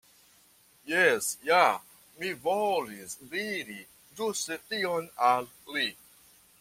Jes ja, mi volis diri ĝuste tion al li.